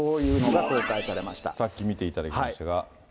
さっき見ていただきましたが。